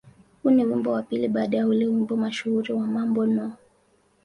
Huu ni wimbo wa pili baada ya ule wimbo mashuhuri wa "Mambo No.